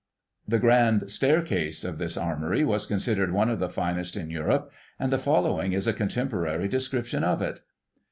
The grand staircase of this Armoury was considered one of the finest in Europe, and the following is a contemporary description of it.